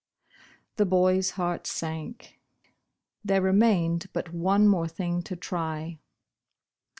The boy's heart sank. There remained but one more thing to try.